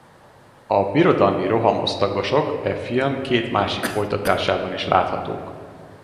A birodalmi rohamosztagosok e film két másik folytatásában is láthatók.